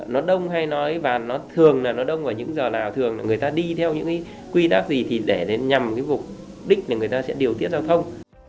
nó đông hay nó ấy và nó thường là nó đông ở những giờ nào thường là người ta đi theo những cái quy tắc gì thì để nhằm cái vụ đích để người ta sẽ điều tiết giao thông